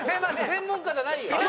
専門家じゃないよ。